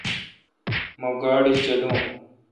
مہ گاڑی چلاو۔